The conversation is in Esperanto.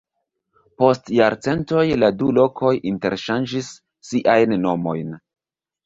Post jarcentoj la du lokoj interŝanĝis siajn nomojn.